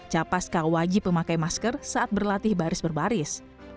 capaska wajib memakai masker saat berlatih baris baris